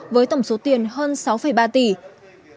với tổng số tiền hơn sáu ba tỷ